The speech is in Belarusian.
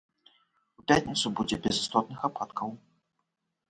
У пятніцу будзе без істотных ападкаў.